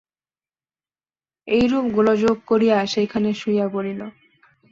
এইরূপ গোলযোগ করিয়া সেইখানে শুইয়া পড়িল।